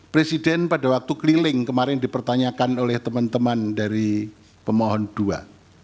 presiden pada waktu keliling kemarin dipertanyakan oleh teman teman dari pemohon dua